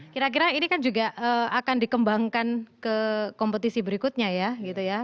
kira kira ini kan juga akan dikembangkan ke kompetisi berikutnya ya gitu ya